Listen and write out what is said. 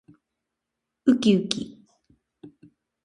うきうき